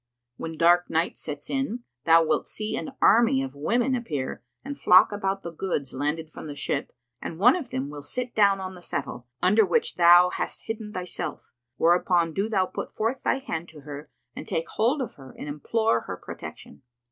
And when dark night sets in, thou wilt see an army of women appear and flock about the goods landed from the ship, and one of them will sit down on the settle, under which thou hast hidden thyself, whereupon do thou put forth thy hand to her and take hold of her and implore her protection.